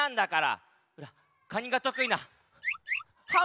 カニがとくいなはん